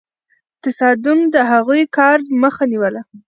تصادم د هغوی کار مخه نیوله.